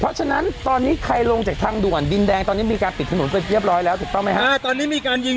เพราะฉะนั้นตอนนี้ใครลงจากทางด่วนดินแดงตอนนี้มีการปิดถนนไปเรียบร้อยแล้วถูกต้องไหมฮะ